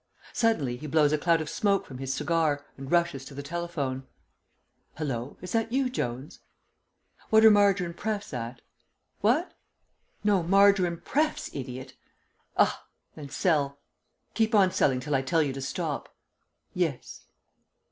Suddenly he blows a cloud of smoke from his cigar, and rushes to the telephone. "Hallo! Is that you, Jones?... What are Margarine Prefs. at?... What?... No, Margarine Prefs., idiot.... Ah! Then sell. Keep on selling till I tell you to stop.... Yes."